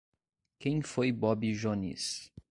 Quem foi Bobi Jones?